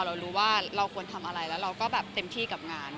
เรารู้ว่าเราควรทำอะไรแล้วเราก็แบบเต็มที่กับงาน